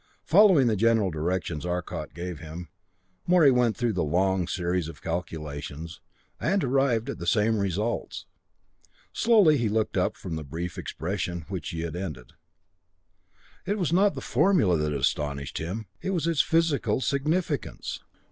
Following the general directions Arcot gave him, Morey went through the long series of calculations and arrived at the same results. Slowly he looked up from the brief expression with which he had ended. It was not the formula that astonished him it was its physical significance.